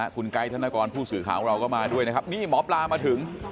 คุณไกด์ธนกรผู้สื่อข่าวของเราก็มาด้วยนะครับนี่หมอปลามาถึง